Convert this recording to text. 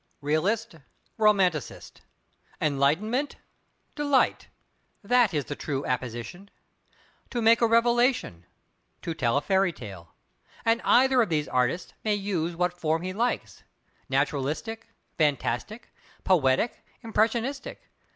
Realist—Romanticist! Enlightenment—Delight! That is the true apposition. To make a revelation—to tell a fairy tale! And either of these artists may use what form he likes—naturalistic, fantastic, poetic, impressionistic.